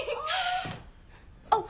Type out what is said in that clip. あっ！